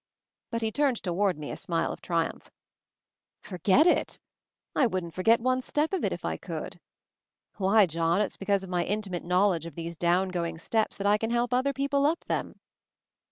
But he turned toward me a smile of triumph. "Forget it! I wouldn't forget one step of it if I could ! Why, John, it's because of my intimate knowledge of these down going steps that I can help other people up them!"